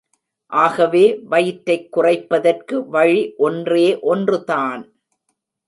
ஆகவே, வயிற்றைக் குறைப்பதற்கு வழி ஒன்றே ஒன்று தான்.